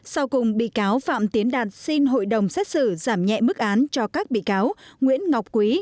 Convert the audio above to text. sau cùng bị cáo phạm tiến đạt xin hội đồng xét xử giảm nhẹ mức án cho các bị cáo nguyễn ngọc quý